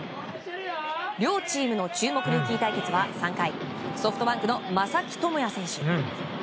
両チームの注目ルーキー対決は３回、ソフトバンクの正木智也選手。